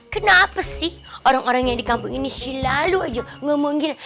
kenapa sih orang orang yang di kampung ini selalu aja ngomonggil